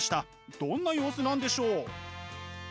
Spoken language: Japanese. どんな様子なんでしょう！？